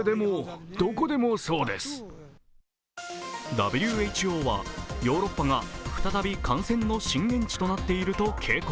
ＷＨＯは、ヨーロッパが再び感染の震源地となっていると警告。